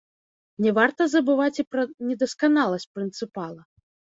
Не варта забываць і пра недасканаласць прынцыпала.